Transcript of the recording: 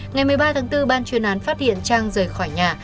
ngày một mươi ba tháng bốn ban chuyên án phát hiện trang rời khỏi nhà